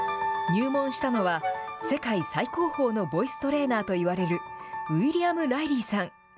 入門したのは、世界最高峰のボイストレーナーといわれる、ウィリアム・ライリーさん。